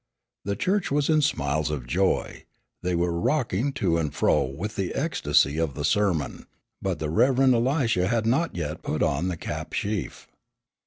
The church was in smiles of joy. They were rocking to and fro with the ecstasy of the sermon, but the Rev. Elisha had not yet put on the cap sheaf.